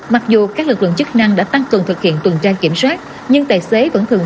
mặc dù các lực lượng chức năng đã tăng cường thực hiện tuần tra kiểm soát nhưng tài xế vẫn thường